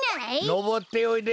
のぼっておいで。